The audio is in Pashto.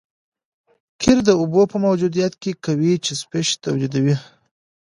قیر د اوبو په موجودیت کې قوي چسپش تولیدوي